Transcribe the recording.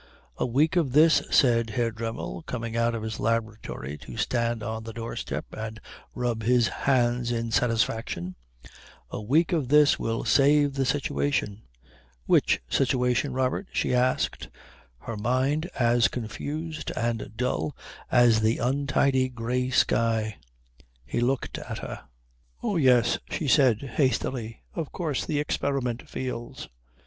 "A week of this," said Herr Dremmel, coming out of his laboratory to stand on the doorstep and rub his hands in satisfaction, "a week of this will save the situation." "Which situation, Robert?" she asked, her mind as confused and dull as the untidy grey sky. He looked at her. "Oh, yes," she said hastily, "of course the experiment fields.